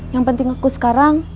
yang penting aku sekarang